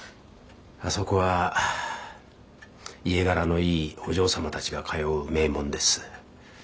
あそこは家柄のいいお嬢様たちが通う名門です。